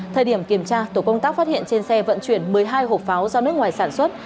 thời điểm kiểm tra tổ công tác phát hiện trên xe vận chuyển một mươi hai hộp pháo do nước ngoài sản xuất